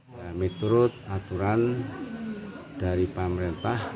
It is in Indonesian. dari turut aturan dari pemerintah